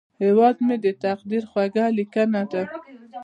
هیواد مې د تقدیر خوږه لیکنه ده